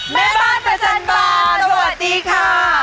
แม่บ้านประจันบานสวัสดีค่ะ